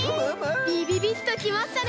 ビビビッときましたね！